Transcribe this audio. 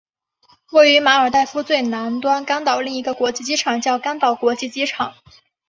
位于马尔代夫最南端甘岛上另一个国际机场叫甘岛国际机场。